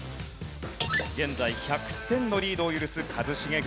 現在１００点のリードを許す一茂軍。